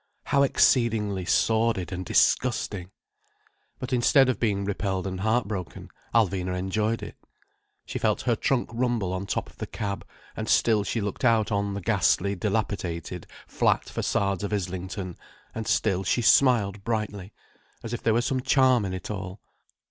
How exceedingly sordid and disgusting! But instead of being repelled and heartbroken, Alvina enjoyed it. She felt her trunk rumble on the top of the cab, and still she looked out on the ghastly dilapidated flat facades of Islington, and still she smiled brightly, as if there were some charm in it all.